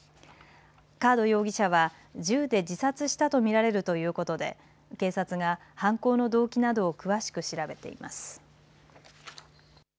カード容疑者は銃で自殺したと見られるということで警察が犯行の動機などを詳しく調べています。